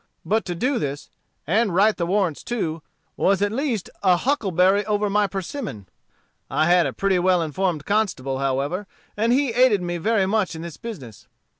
But to do this, and write the warrants too, was at least a huckleberry over my persimmon. I had a pretty well informed constable, however, and he aided me very much in this business.